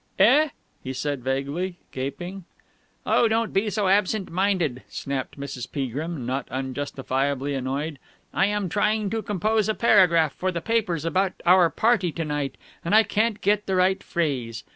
"Eh?" he said vaguely, gaping. "Oh, don't be so absent minded!" snapped Mrs. Peagrim, not unjustifiably annoyed. "I am trying to compose a paragraph for the papers about our party to night, and I can't get the right phrase....